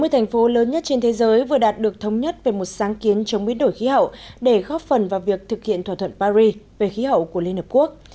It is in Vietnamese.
sáu mươi thành phố lớn nhất trên thế giới vừa đạt được thống nhất về một sáng kiến chống biến đổi khí hậu để góp phần vào việc thực hiện thỏa thuận paris về khí hậu của liên hợp quốc